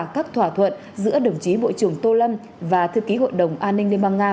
các thỏa thuận giữa đồng chí bộ trưởng tô lâm và thư ký hội đồng an ninh liên bang nga